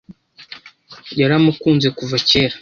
Yaramukunze kuva mbere.